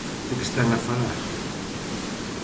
¿De que están a falar?